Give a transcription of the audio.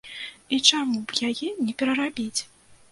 І чаму б яе не перарабіць?